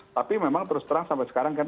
tapi memang terus terang sampai sekarang kan